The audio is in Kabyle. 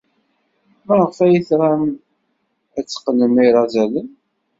Maɣef ay tram ad teqqnem irazalen?